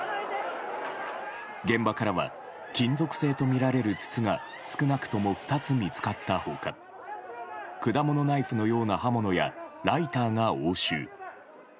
現場からは金属製とみられる筒が少なくとも２つ見つかった他果物ナイフのような刃物やライターが押収。